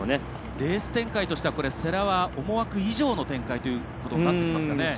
レース展開としては思惑以上の展開になってきますかね。